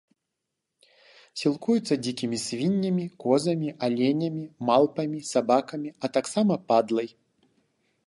Сілкуецца дзікімі свіннямі, козамі, аленямі малпамі, сабакамі, а таксама падлай.